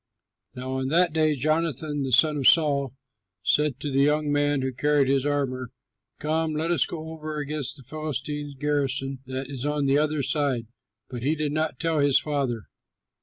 Now on that day Jonathan the son of Saul said to the young man who carried his armor, "Come, let us go over against the Philistines' garrison that is on the other side." But he did not tell his father.